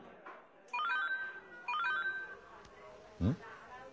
うん？